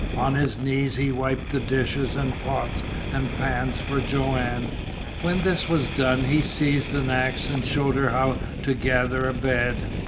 On his knees he wiped the dishes and pots and pans for Joanne. When this was done, he seized an axe and showed her how to gather a bed.